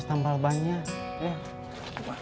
biar dia yang ngebutin pakur